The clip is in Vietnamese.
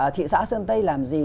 thị xã sơn tây làm gì